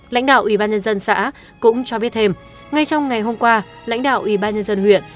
lãnh đạo ubnd xã cũng cho biết thêm ngay trong ngày hôm qua lãnh đạo ubnd huyện